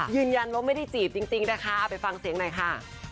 ยืนยันว่าไม่ได้จีบจริงนะคะเอาไปฟังเสียงหน่อยค่ะ